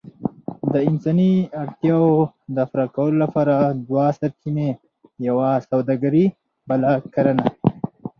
د انساني اړتياوو د پوره کولو لپاره دوه سرچينې، يوه سووداګري بله کرنه.